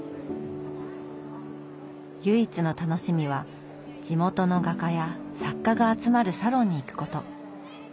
唯一の楽しみは地元の画家や作家が集まるサロンに行くこと。